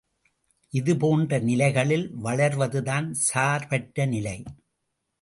இது போன்ற நிலைகளில் வளர்வதுதான் சார்பற்ற நிலை.